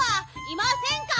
いませんか？